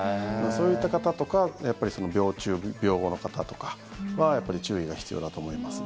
そういった方とか病中、病後の方とかはやっぱり注意が必要だと思います。